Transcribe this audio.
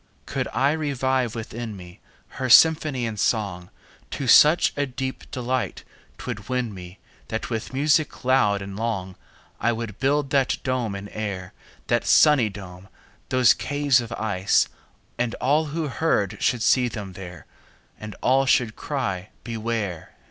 Could I revive within me, Her symphony and song, To such a deep delight 'twould win me, That with music loud and long, 45 I would build that dome in air, That sunny dome! those caves of ice! And all who heard should see them there, And all should cry, Beware!